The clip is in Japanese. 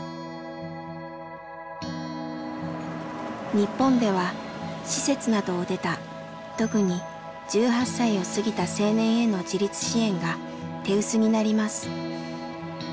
日本では施設などを出た特に１８歳を過ぎた青年への自立支援が手薄になります。